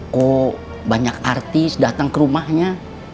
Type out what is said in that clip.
kok banyak artis datang ke rumahnya